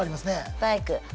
バイク？